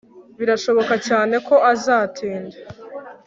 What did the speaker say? Birashoboka cyane ko azatinda